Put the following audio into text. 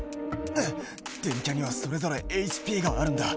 電キャにはそれぞれＨＰがあるんだ。